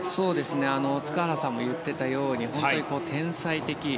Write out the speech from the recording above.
塚原さんも言っていたように天才的。